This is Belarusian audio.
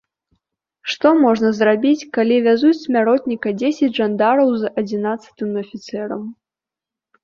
Што можна зрабіць, калі вязуць смяротніка дзесяць жандараў з адзінаццатым афіцэрам?